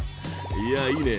いやいいね。